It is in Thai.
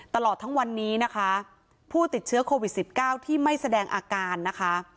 ตลอดทั้งวันนี้นะคะผู้ติดเชื้อโควิด๑๙ที่ไม่แสดงอาการนะคะ